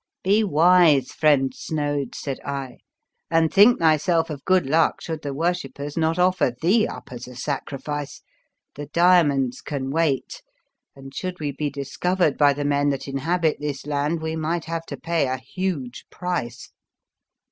'* Be wise, friend Snoad," said I, '' and think thyself of good luck should the worshippers not offer thee up as a sacrifice. The diamonds can wait, and, should we be discovered by the men that inhabit this land, we might have to pay a huge price.